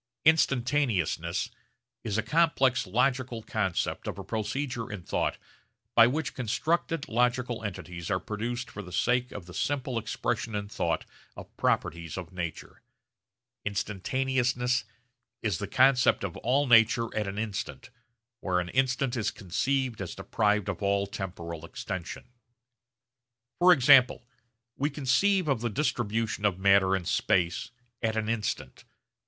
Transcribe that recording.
Instantaneousness is a complex logical concept of a procedure in thought by which constructed logical entities are produced for the sake of the simple expression in thought of properties of nature. Instantaneousness is the concept of all nature at an instant, where an instant is conceived as deprived of all temporal extension. For example we conceive of the distribution of matter in space at an instant.